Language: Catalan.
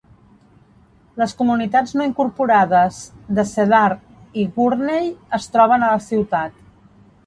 Les comunitats no incorporades de Cedar i Gurney es troben a la ciutat.